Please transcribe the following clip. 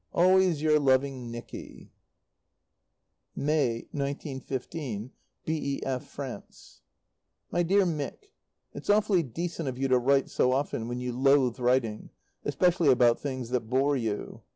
Always your loving, NICKY. May, 1915. B.E.F., FRANCE My Dear Mick, It's awfully decent of you to write so often when you loathe writing, especially about things that bore you.